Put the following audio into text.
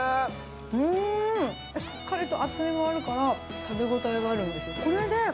うーん、しっかりと厚みもあるから、食べ応えがあるんですよ。